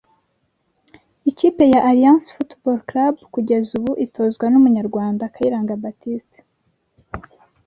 Ikipe ya Alliance Football Club kugeza ubu itozwa n’umunyarwanda Kayiranga Baptiste